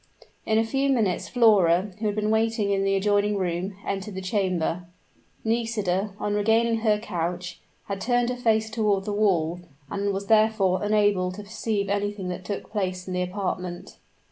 In a few minutes Flora, who had been waiting in the adjoining room, entered the chamber. Nisida, on regaining her couch, had turned her face toward the wall, and was therefore unable to perceive anything that took place in the apartment.